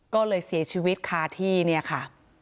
ก็เลยเสียชีวิตคาที่เนี่ยค่ะ